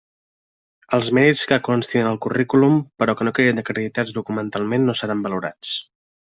Els mèrits que constin al currículum però que no quedin acreditats documentalment, no seran valorats.